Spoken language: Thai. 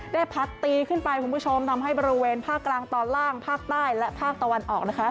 พัดตีขึ้นไปคุณผู้ชมทำให้บริเวณภาคกลางตอนล่างภาคใต้และภาคตะวันออกนะคะ